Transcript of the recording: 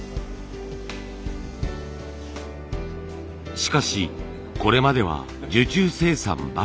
しかしこれまでは受注生産ばかり。